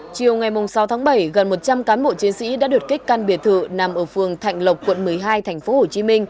chiều ngày sáu tháng bảy gần một trăm linh cán bộ chiến sĩ đã đột kích căn biệt thự nằm ở phường thạnh lộc quận một mươi hai tp hcm